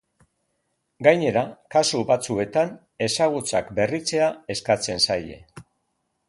Gainera, kasu batzuetan, ezagutzak berritzea eskatzen zaie.